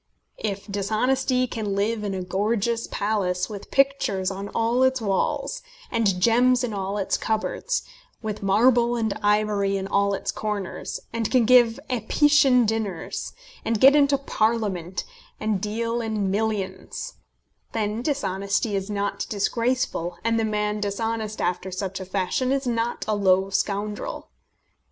If dishonesty can live in a gorgeous palace with pictures on all its walls, and gems in all its cupboards, with marble and ivory in all its corners, and can give Apician dinners, and get into Parliament, and deal in millions, then dishonesty is not disgraceful, and the man dishonest after such a fashion is not a low scoundrel.